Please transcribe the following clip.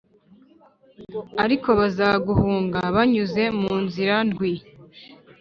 ariko bazaguhunga banyuze mu nzira ndwi+